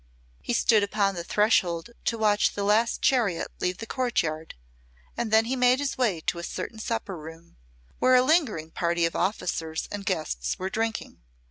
He stood upon the threshold to watch the last chariot leave the courtyard, and then he made his way to a certain supper room, where a lingering party of officers and guests were drinking.